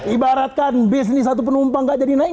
ibaratkan bisnis satu penumpang nggak jadi naik